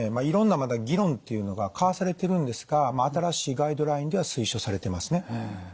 いろんなまだ議論っていうのが交わされてるんですが新しいガイドラインでは推奨されてますね。